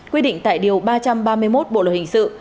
quy định tại điều ba trăm ba mươi một bộ luật hình sự